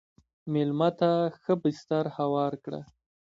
مېلمه ته ښه بستر هوار کړه.